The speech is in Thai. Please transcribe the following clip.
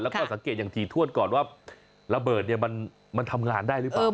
แล้วก็สังเกตอย่างถี่ถ้วนก่อนว่าระเบิดเนี่ยมันทำงานได้หรือเปล่า